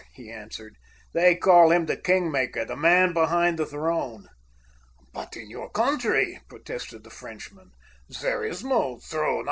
he answered. "They call him the 'king maker,' the man behind the throne." "But in your country," protested the Frenchman, "there is no throne.